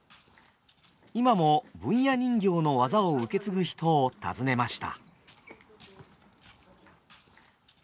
今も文弥人形の技を受け継ぐ人を訪ねました。